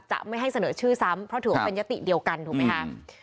จะไม่ให้เสนอชื่อซ้ำเพราะถือว่าเป็นยติเดียวกันถูกไหมคะ